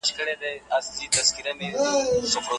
که پښتو ژبه وي نو زموږ هویت نه ورکېږي.